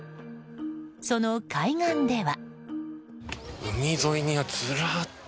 その海岸では。